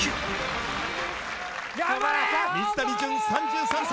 水谷隼３３歳。